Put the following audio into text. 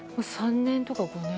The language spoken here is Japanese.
３年とか５年。